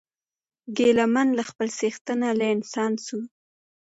ګیله من له خپل څښتنه له انسان سو